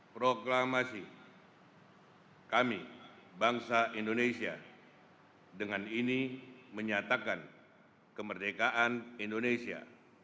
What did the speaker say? proklamasi kami bangsa indonesia dengan ini menyatakan kemerdekaan indonesia